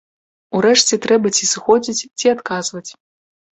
Урэшце трэба ці сыходзіць, ці адказваць.